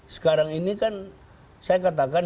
sekarang ini kan saya katakan